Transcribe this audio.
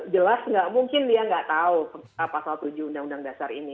jelas nggak mungkin dia nggak tahu pasal tujuh undang undang dasar ini